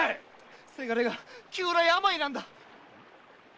〔せがれが急な病なんだ！〕